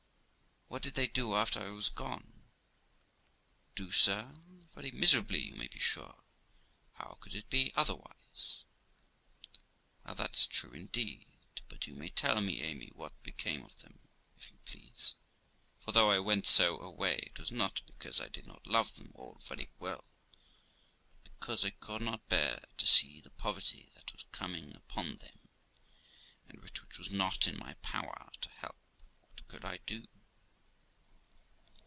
Gent. What did they do after I was gone? Amy. Do, sir! Very miserably, you may be sure. How could it be otherwise ? Gent. Well, that's true indeed ; but you may tell me, Amy, what became of them, if you please; for, though I went so away, it was not because I did not love them all very well, but because I could not bear to see the poverty that was coming upon them, and which it was not in my power to help. What could I do?'